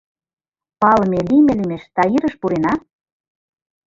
Палыме лийме лӱмеш «Таирыш» пурена?